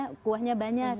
jenisnya kuahnya banyak